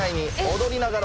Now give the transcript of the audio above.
踊りながら？